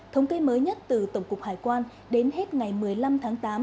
thống kê mới nhất từ tổng cục hải quan đến hết ngày một mươi năm tháng tám